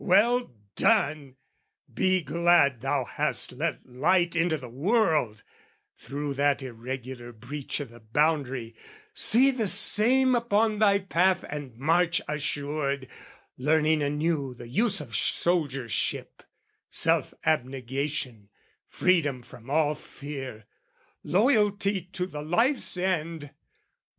Well done! Be glad thou hast let light into the world, Through that irregular breach o' the boundary, see The same upon thy path and march assured, Learning anew the use of soldiership, Self abnegation, freedom from all fear, Loyalty to the life's end!